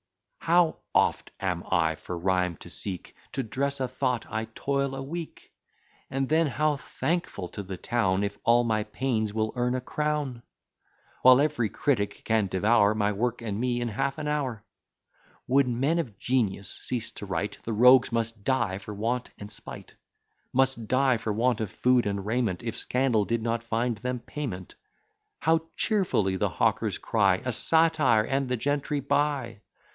How oft am I for rhyme to seek! To dress a thought I toil a week: And then how thankful to the town, If all my pains will earn a crown! While every critic can devour My work and me in half an hour. Would men of genius cease to write, The rogues must die for want and spite; Must die for want of food and raiment, If scandal did not find them payment. How cheerfully the hawkers cry A satire, and the gentry buy!